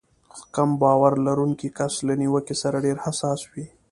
کم باور لرونکی کس له نيوکې سره ډېر حساس وي.